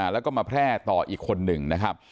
แล้วก็มาแพร่ต่ออีกคนหนึ่ง